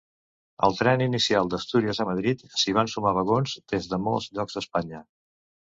Al tren inicial d'Astúries a Madrid, s'hi van sumar vagons des de molts llocs d'Espanya.